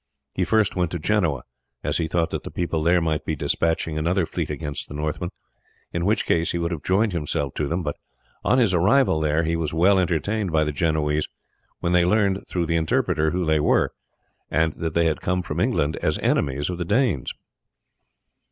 He first went to Genoa, as he thought that the people there might be despatching another fleet against the Northmen in which case he would have joined himself to them. On his arrival there he was well entertained by the Genoese when they learned, through the interpreter, who they were, and that they had come from England as enemies of the Danes.